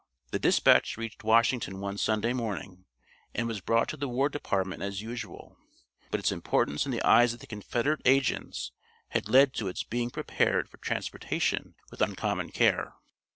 The dispatch reached Washington one Sunday morning, and was brought to the War Department as usual, but its importance in the eyes of the Confederate agents had led to its being prepared for transportation with uncommon care.